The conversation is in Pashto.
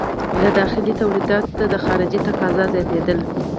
له داخلي تولیداتو ته د خارجې تقاضا زیاتېدل.